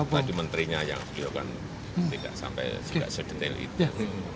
tadi menterinya yang biokan tidak sampai sedetail itu